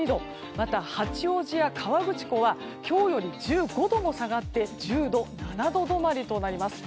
また、八王子や河口湖は今日より１５度も下がって１０度、７度止まりとなります。